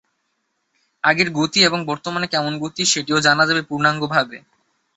আগের গতি এবং বর্তমানে কেমন গতি, সেটিও জানা যাবে পূর্ণাঙ্গ ভাবে।